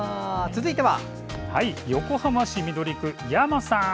続いて、横浜市緑区のやまさん。